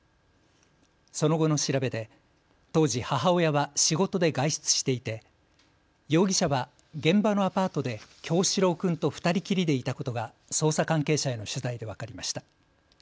その後の調べで当時、母親は仕事で外出していて容疑者は現場のアパートで叶志郎君と２人きりでいたことが捜査関係者への取材で分かりました。